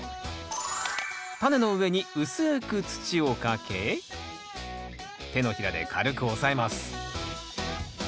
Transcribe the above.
タネの上に薄く土をかけ手のひらで軽く押さえます。